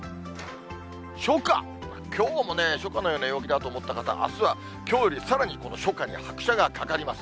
初夏、きょうもね、初夏のような陽気だと思った方、あすはきょうよりさらに、この初夏に拍車がかかります。